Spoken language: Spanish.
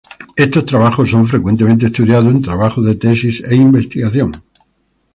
Estos trabajos son frecuentemente estudiados en trabajos de tesis e investigación.